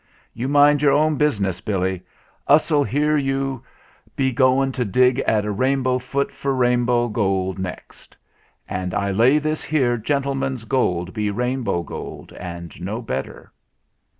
You mind your own business, Billy. Us'll hear you be going to dig at a rainbow foot for rainbow gold next. And I lay this here gentleman's gold be rainbow gold and no better."